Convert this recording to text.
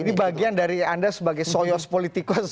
ini bagian dari anda sebagai soyos politikus